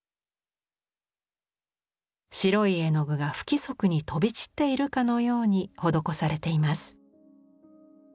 白い絵の具が不規則に飛び散っているかのように施されています。